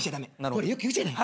ほらよく言うじゃない。